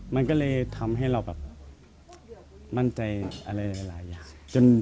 มันก็เลยทำให้เราแบบมั่นใจอะไรหลายอย่าง